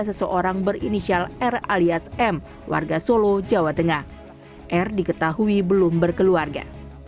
seseorang berinisial r alias m warga solo jawa tengah r diketahui belum berkeluarga